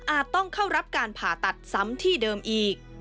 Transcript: ต้องเข้ารับการผ่าตัดซ้ำที่เดิมอีก